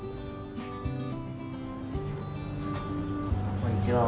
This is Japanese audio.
こんにちは。